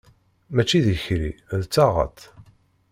Mačči d ikerri, d taɣaṭ!